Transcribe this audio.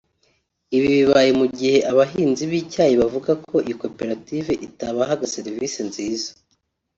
Ibi bibaye mu gihe abahinzi b’icyayi bavuga ko iyi koperative itabahaga serivisi nziza